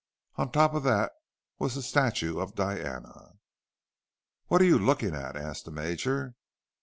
On top of that was a statue of Diana. "What are you looking at?" asked the Major.